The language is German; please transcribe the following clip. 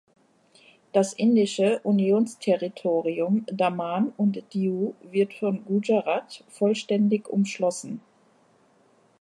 Das indische Unionsterritorium Daman und Diu wird von Gujarat vollständig umschlossen.